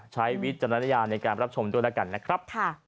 วิจารณญาณในการรับชมด้วยแล้วกันนะครับ